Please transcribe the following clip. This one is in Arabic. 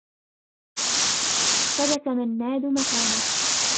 ثبت منّاد مكانه.